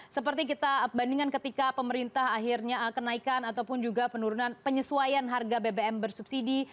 seperti kita bandingkan ketika pemerintah akhirnya kenaikan ataupun juga penurunan penyesuaian harga bbm bersubsidi